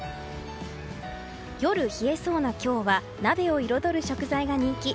夜冷えそうな今日は鍋を彩る食材が人気。